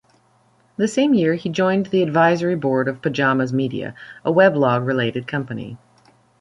The same year he joined the advisory board of Pajamas Media, a weblog-related company.